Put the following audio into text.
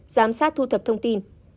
giám sát thu thập thông tin